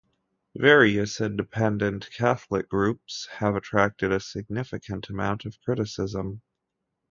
Various Independent Catholic groups have attracted a significant amount of criticism.